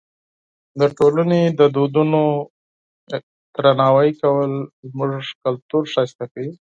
د ټولنې د دودونو احترام کول زموږ کلتور ښایسته کوي.